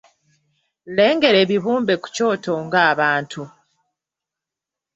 Lengera ebibumbe ku kyoto ng’abantu.